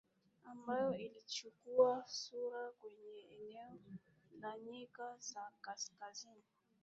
ambayo ilichukua sura kwenye eneo la nyika za Kaskazini